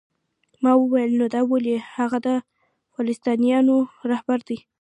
ما وویل: نو دا ولې؟ هغه د فلسطینیانو رهبر دی؟